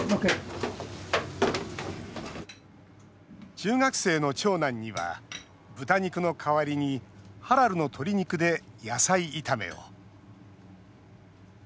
中学生の長男には豚肉の代わりにハラルの鶏肉で野菜炒めを。